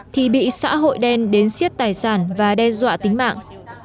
thì bị xã hội đen đến xiết tài sản và đe dọa tính mạng